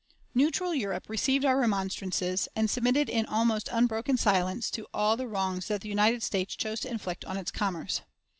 Neutral Europe received our remonstrances, and submitted in almost unbroken silence to all the wrongs that the United States chose to inflict on its commerce.